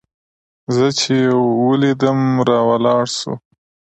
زه چې يې ولېدلم راولاړ سو.